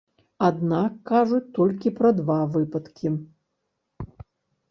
Аднак кажуць толькі пра два выпадкі.